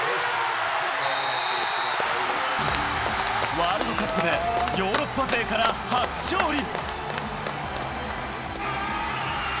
ワールドカップでヨーロッパ勢から初勝利。